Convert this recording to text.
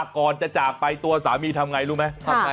ก่อนจะจากไปตัวสามีทำไงรู้ไหม